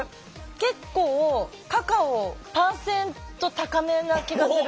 結構カカオパーセント高めな気がする。